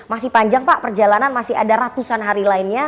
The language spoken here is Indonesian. masih panjang pak perjalanan masih ada ratusan hari lainnya